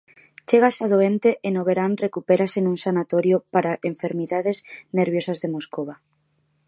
Chega xa doente e no verán recupérase nun sanatorio para enfermidades nerviosas de Moscova.